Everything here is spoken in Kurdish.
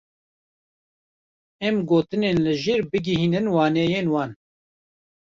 Em gotinên li jêr bigihînin wêneyên wan.